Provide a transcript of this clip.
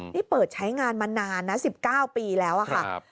นี่เปิดใช้งานมานานนะ๑๙ปีแล้วค่ะ